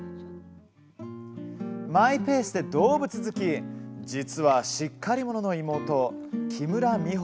マイペースで動物好き実はしっかり者の妹・木村美穂。